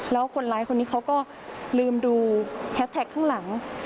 แล้วคนร้ายคนนี้เขาก็ลืมดูแฮสแท็กข้างหลัง